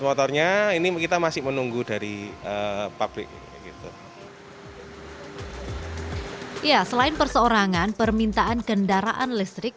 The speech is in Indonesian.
motornya ini kita masih menunggu dari pabrik ya selain perseorangan permintaan kendaraan listrik